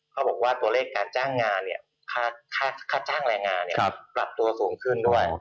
เขาบอกว่าตัวเลขการจ้างงานค่าจ้างแรงงานปรับตัวสูงขึ้นด้วย